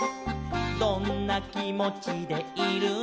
「どんなきもちでいるのかな」